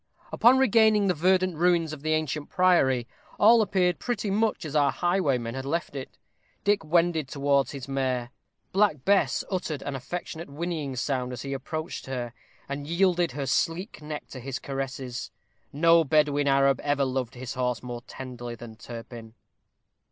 Upon regaining the verdant ruins of the ancient priory, all appeared pretty much as our highwayman had left it. Dick wended towards his mare. Black Bess uttered an affectionate whinnying sound as he approached her, and yielded her sleek neck to his caresses. No Bedouin Arab ever loved his horse more tenderly than Turpin.